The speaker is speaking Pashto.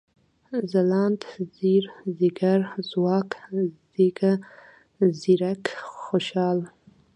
ځلاند ، ځير ، ځيگر ، ځواک ، ځيږ ، ځيرک ، خوشال